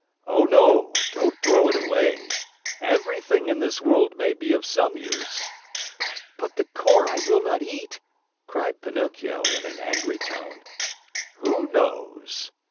"Oh, no, don't throw it away! Everything in this world may be of some use!" "But the core I will not eat!" cried Pinocchio in an angry tone. "Who knows?"